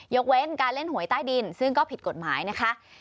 เว้นการเล่นหวยใต้ดินซึ่งก็ผิดกฎหมายนะคะ